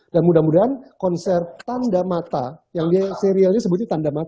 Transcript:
dan mudah mudahan konser tanda mata yang dia serialnya sebutnya tanda mata ya